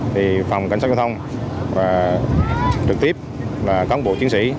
thì phòng cảnh sát giao thông trực tiếp là cán bộ chiến sĩ